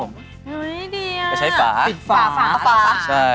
เฮ้ยดีอ่ะก็ใช้ฝ้าฝ้าก็ฝ้าลิตรฝาก